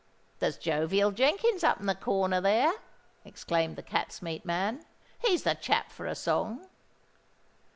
"There's Jovial Jenkins up in the corner there," exclaimed the cat's meat man. "He's the chap for a song."